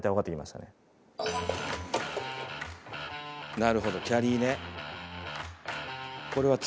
なるほどキャリーね。